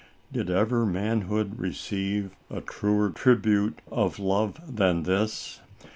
'' Did ever manhood receive a truer tribute of love than this?